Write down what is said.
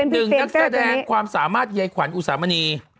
หนึ่งนักแสดงความสามารถยายขวัญอุสามณี